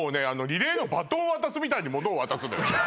リレーのバトン渡すみたいに物を渡すのよ